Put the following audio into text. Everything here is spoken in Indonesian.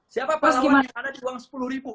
siapa pahlawan yang ada di uang sepuluh ribu